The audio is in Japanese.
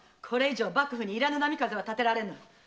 これ以上幕府にいらぬ波風は立てられぬ。